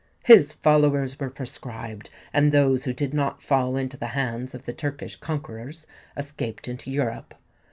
His followers were proscribed; and those who did not fall into the hands of the Turkish conquerors escaped into Europe.